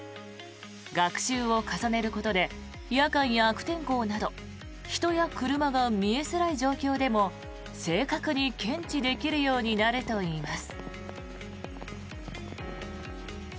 学習を重ねることで夜間や悪天候など人や車が見えづらい状況でも正確に検知できるようになるといいます。